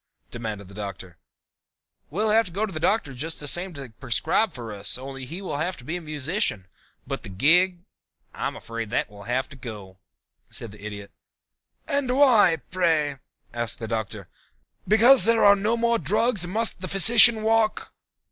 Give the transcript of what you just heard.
demanded the Doctor. "We'll have to have the Doctor just the same to prescribe for us, only he will have to be a musician, but the gig I'm afraid that will have to go," said the Idiot. "And why, pray?" asked the Doctor. "Because there are no more drugs must the physician walk?"